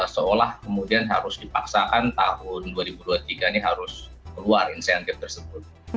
seolah kemudian harus dipaksakan tahun dua ribu dua puluh tiga ini harus keluar insentif tersebut